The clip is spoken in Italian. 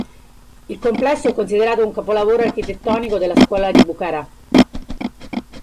Il complesso è considerato un capolavoro architettonico della scuola di Bukhara.